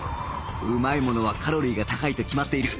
うまいものはカロリーが高いと決まっている